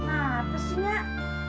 apa sih nyak